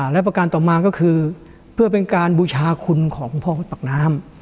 และประการต่อมาก็คือเพื่อเป็นการบูชาคุณของพ่อตักน้ำ